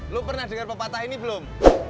lo pernah denger pepatah ini belum